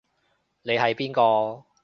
你係邊個？